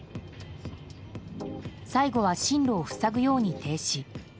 最後は進路を塞ぐように停止。